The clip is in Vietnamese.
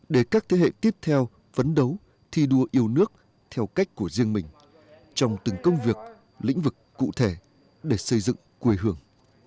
để các thế hệ tiếp theo phấn đấu thi đua yêu nước theo cách của riêng mình trong từng công việc lĩnh vực cụ thể để xây dựng quê hương